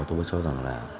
tôi cho rằng là